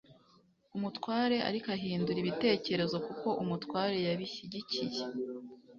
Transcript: umutware ariko ahindura ibitekerezo kuko umutware yabishyigikiye